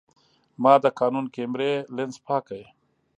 ما د کانون کیمرې لینز پاک کړ.